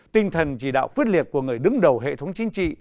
tinh thần chỉ đạo quyết liệt của người đứng đầu hệ thống chính trị